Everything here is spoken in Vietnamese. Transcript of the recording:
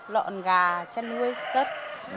lọn gà chăn nuôi tất